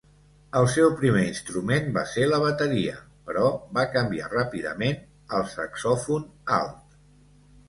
El seu primer instrument va ser la bateria, però va canviar ràpidament al saxòfon alt.